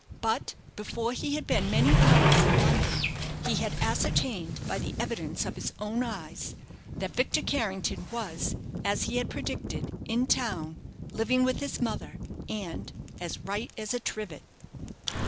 But before he had been many hours in London, he had ascertained, by the evidence of his own eyes, that Victor Carrington was, as he had predicted, in town, living with his mother, and "as right as a trivet."